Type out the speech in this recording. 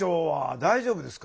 大丈夫ですか？